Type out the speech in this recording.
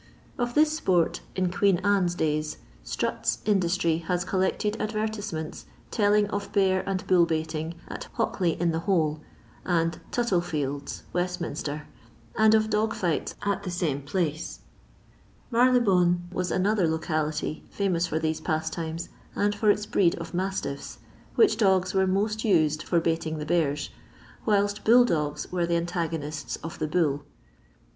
Of this sport in Queen Anne's days, Strutt's industry has collected advertisements telling of bear and bull baiting at Hockley in the Hole, and " Tuttle " fields, Westminster, and of dog fights at the same places. Marylebone was mother locality iiamous for these pastimes, and for its breed of mastifis, which dogs were most nied for baiting the bears, whilst bull dogs Were the antagonists of the bull.